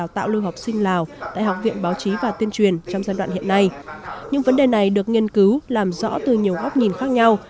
tại học viện báo chí và tuyên truyền trong giai đoạn hiện nay những vấn đề này được nghiên cứu làm rõ từ nhiều góc nhìn khác nhau